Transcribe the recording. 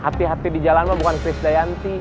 hati hati di jalan mah bukan kris dayanti